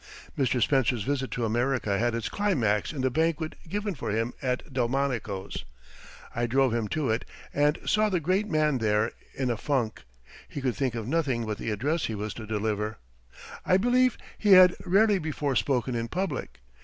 Mr. Spencer's visit to America had its climax in the banquet given for him at Delmonico's. I drove him to it and saw the great man there in a funk. He could think of nothing but the address he was to deliver. I believe he had rarely before spoken in public.